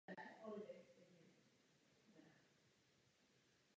Jedná se vlastně o mobilní součást dopravy a přepravy.